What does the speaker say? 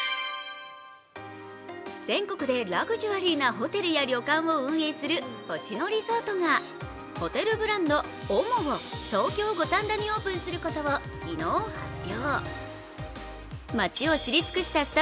全国でラグジュアリーなホテルや旅館を運営する星野リゾートがホテルブランドＯＭＯを東京・五反田にオープンすることを昨日発表。